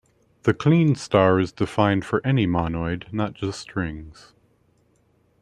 The Kleene star is defined for any monoid, not just strings.